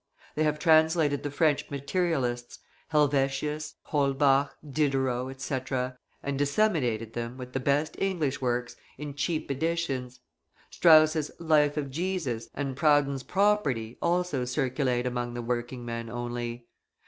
They have translated the French materialists, Helvetius, Holbach, Diderot, etc., and disseminated them, with the best English works, in cheap editions. Strauss' "Life of Jesus" and Proudhon's "Property" also circulate among the working men only.